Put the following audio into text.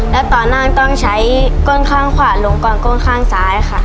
แล้วตอนนั่งต้องใช้ก้นข้างขวาลงก่อนก้นข้างซ้ายค่ะ